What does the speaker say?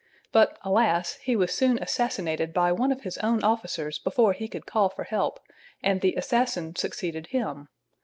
But, alas! he was soon assassinated by one of his own officers before he could call for help, and the assassin succeeded him.